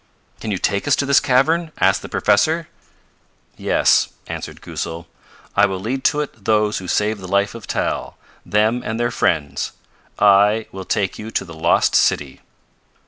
"Can you take us to this cavern?" asked the professor. "Yes," answered Goosal. "I will lead to it those who saved the life of Tal them and their friends. I will take you to the lost city!"